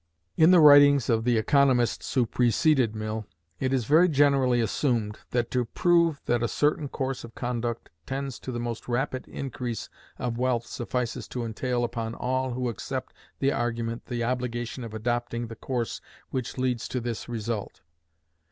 In the writings of the economists who preceded Mill, it is very generally assumed, that to prove that a certain course of conduct tends to the most rapid increase of wealth suffices to entail upon all who accept the argument the obligation of adopting the course which leads to this result.